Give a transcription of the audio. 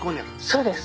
そうです。